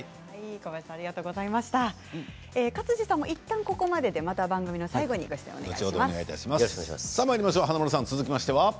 勝地さんもいったんここまででまた番組の最後に華丸さん、続いては？